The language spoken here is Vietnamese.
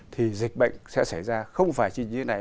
thì dịch bệnh sẽ xảy ra không phải chỉ như thế này